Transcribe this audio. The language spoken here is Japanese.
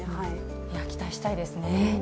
期待したいですね。